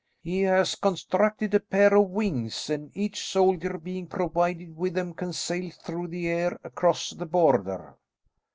"He has constructed a pair of wings, and each soldier being provided with them can sail through the air across the Border."